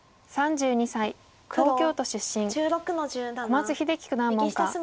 小松英樹九段門下。